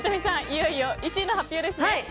いよいよ１位の発表ですね。